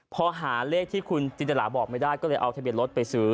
พอหาเลขที่คุณจินตราบอกไม่ได้ก็เลยเอาทะเบียนรถไปซื้อ